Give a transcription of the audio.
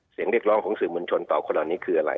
เสียงเรียกร้องของสื่อมวลชนต่อคนเหล่านี้คืออะไร